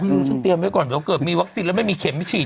ฉันเตรียมไว้ก่อนเดี๋ยวเกิดมีวัคซีนแล้วไม่มีเข็มฉีด